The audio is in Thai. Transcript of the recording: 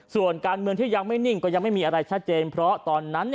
ส่วนการเมืองที่ยังไม่นิ่งก็ยังไม่มีอะไรชัดเจนเพราะตอนนั้น